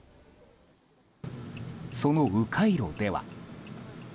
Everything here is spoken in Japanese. その迂回路では。